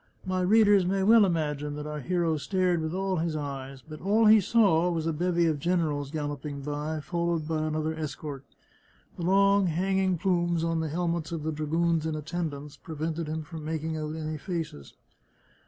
My readers may well imagine that our hero stared with all his eyes, but all he saw was a bevy of generals gal loping by, followed by another escort. The long, hanging plumes on the helmets of the dragoons in attendance pre vented him from making out any faces.